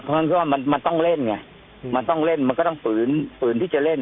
เพราะฉะนั้นก็ว่ามันต้องเล่นไงมันต้องเล่นมันก็ต้องฝืนฝืนที่จะเล่น